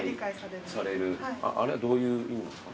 あれはどういう意味なんですか？